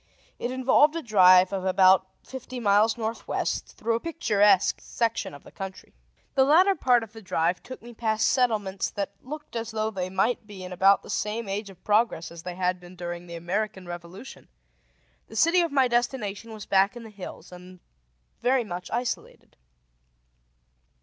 It involved a drive of about fifty miles northwest, through a picturesque section of the country. The latter part of the drive took me past settlements that looked as though they might be in about the same stage of progress as they had been during the American Revolution. The city of my destination was back in the hills, and very much isolated.